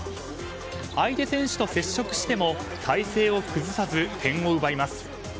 相手選手と接触しても体勢を崩さず点を奪います。